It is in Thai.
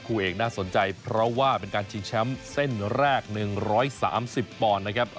เอกน่าสนใจเพราะว่าเป็นการชิงแชมป์เส้นแรก๑๓๐ปอนด์นะครับ